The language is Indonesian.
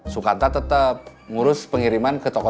sukanta tetep ngurus pengiriman online di sosmed